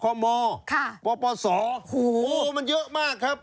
ค่ะโอ้โหมันเยอะมากครับโอ้โหมันเยอะมากครับ